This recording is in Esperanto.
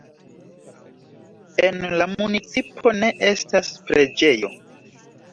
En la municipo ne estas preĝejo.